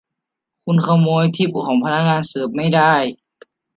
คุณขโมยทิปของพนักงานเสิร์ฟไม่ได้ !